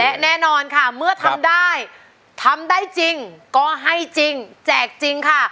และแน่นอนค่ะเมื่อทำได้ทำได้จริงก็ให้จริงแจกจริงค่ะ